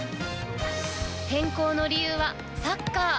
転校の理由はサッカー。